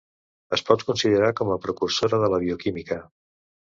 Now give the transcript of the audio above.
Es pot considerar com la precursora de la bioquímica.